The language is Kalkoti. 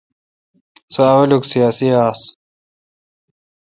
سو اولوک سیاسی آس۔